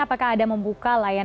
apakah ada membuka layanan